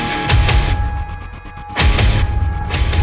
ya ampun ya ampun